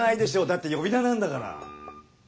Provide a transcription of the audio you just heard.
だって呼び名なんだから。